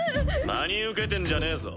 真に受けてんじゃねぇぞ。